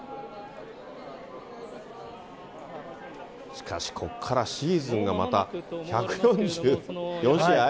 しかし、ここからシーズンがまた１４４試合？